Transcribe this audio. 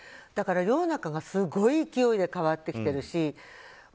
だから、世の中がすごい勢いで変わってきてるし